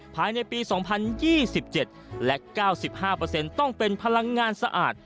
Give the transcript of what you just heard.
ภายในปี๒๐๒๗และ๙๕ต้องเป็นพลังงานสะอาด